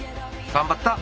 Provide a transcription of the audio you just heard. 頑張った！